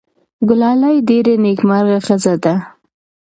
ګلالۍ ډېره نېکمرغه ښځه ده.